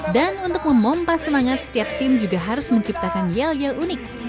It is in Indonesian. dan untuk memompas semangat setiap tim juga harus menciptakan yel yel unik